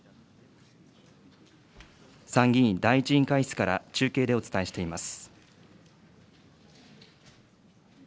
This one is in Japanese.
参議院第１委員会室から中継でお伝えしています。